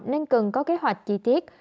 nên cần có kế hoạch chi tiết